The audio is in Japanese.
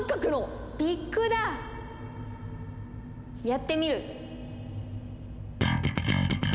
やってみる！